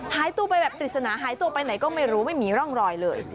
หายตัวไปแบบปริศนาหายตัวไปไหนก็ไม่รู้ไม่มีร่องรอยเลย